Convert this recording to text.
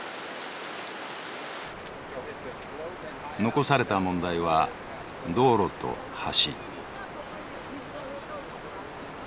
残された問題は道路と橋。